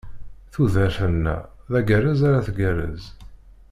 Tudert-nneɣ, d agerrez ara tgerrez.